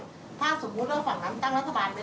ถ้าสมมุติว่าฝั่งนั้นตั้งรัฐบาลไป